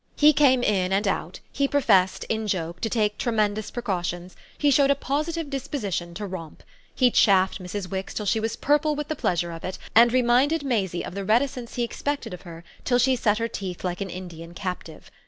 He came in and out; he professed, in joke, to take tremendous precautions; he showed a positive disposition to romp. He chaffed Mrs. Wix till she was purple with the pleasure of it, and reminded Maisie of the reticence he expected of her till she set her teeth like an Indian captive.